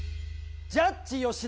ジャッジ吉田。